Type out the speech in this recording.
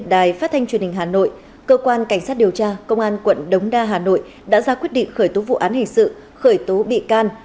đài phát thanh truyền hình hà nội cơ quan cảnh sát điều tra công an quận đống đa hà nội đã ra quyết định khởi tố vụ án hình sự khởi tố bị can